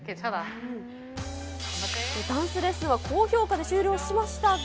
ダンスレッスンは高評価で終了しましたが。